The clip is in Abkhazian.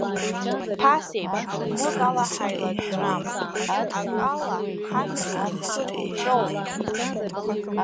Ԥасеиԥш, гәыкала ҳаилаҵәам, акала ҳамҩақәа хыҵәҵәоуп.